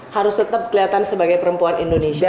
harus tetap kelihatan sebagai perempuan indonesia